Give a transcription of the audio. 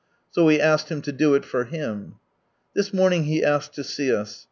So we asked Him to do it for him. This morning he asked to see us.